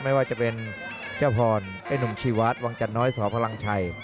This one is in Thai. ไม่ว่าจะเป็นเจ้าพรไอ้หนุ่มชีวาสวังจันน้อยสพลังชัย